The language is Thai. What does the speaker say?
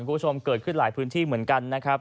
คุณผู้ชมเกิดขึ้นหลายพื้นที่เหมือนกันนะครับ